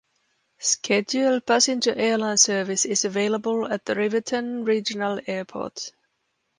Scheduled passenger airline service is available at the Riverton Regional Airport.